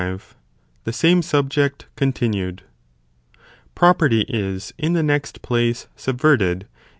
— The sume Subject continued. ῬΒΟΡΕΈΤΥ is, in the next place, subverted, if he 1.